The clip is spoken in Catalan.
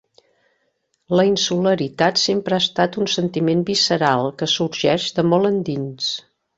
La insularitat sempre ha estat un sentiment visceral, que sorgeix de molt endins.